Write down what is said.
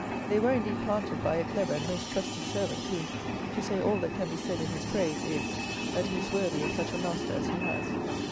They were indeed planted by a clever and most trusty servant, who, to say all that can be said in his praise, is, that he is worthy of such a master as he has.